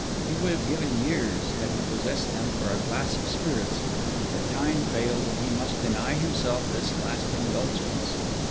He would have given years, had he possessed them, for a glass of spirits; but time failed, and he must deny himself this last indulgence.